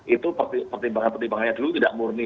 itu pertimbangan pertimbangannya dulu tidak murni